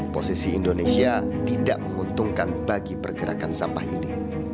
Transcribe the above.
posisi indonesia tidak menguntungkan bagi pergerakan sampah ini